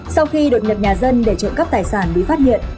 sau khi đột nhập nhà dân để trộm cắp tài sản bị phát hiện